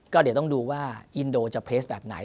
ก็เดี๋ยวต้องดูว่าอินโดจะเพลสแบบไหน